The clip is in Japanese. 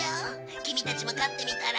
キミたちも飼ってみたら？